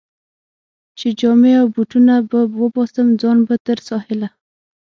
چې جامې او بوټونه به وباسم، ځان به تر ساحله.